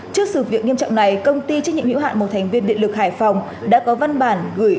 trước sự việc nghiêm trọng này công ty trách nhiệm hữu hạn một thành viên điện lực hải phòng đã có văn bản gửi